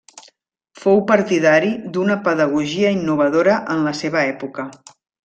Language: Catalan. Fou partidari d’una pedagogia innovadora en la seva època.